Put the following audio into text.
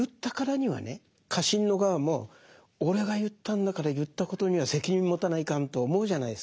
家臣の側も俺が言ったんだから言ったことには責任持たないかんと思うじゃないですか。